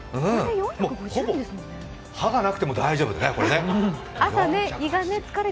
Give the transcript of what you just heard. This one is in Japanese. ほぼ歯がなくても大丈夫。